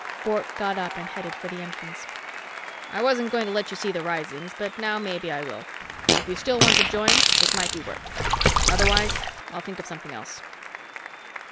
Bork got up and headed for the entrance. "I wasn't going to let you see the risings, but now maybe I will. If you still want to join, it might be worked. Otherwise, I'll think of something else."